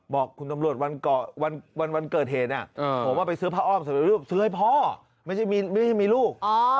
บอกคุณตำรวจวันเกิดเหตุผมไปซื้อผ้าอ้อมเสร็จแล้วลูกซื้อให้พ่อไม่ใช่มีลูก